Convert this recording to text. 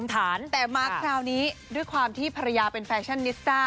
แต่มาคราวนี้ด้วยความที่ภรรยาเป็นแฟชั่นนิสต้า